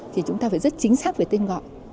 thì chúng ta phải rất chính xác về tên gọi